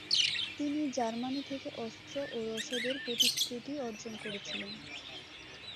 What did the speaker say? তিনি জার্মানি থেকে অস্ত্র ও রসদের প্রতিশ্রুতি অর্জন করেছিলেন।